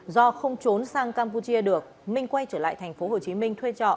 do không trốn sang campuchia được minh quay trở lại thành phố hồ chí minh thuê trọ